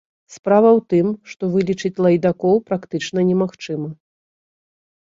Справа ў тым, што вылічыць лайдакоў практычна немагчыма.